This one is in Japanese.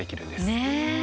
ねえ。